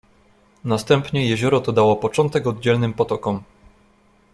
"Następnie jezioro to dało początek oddzielnym potokom."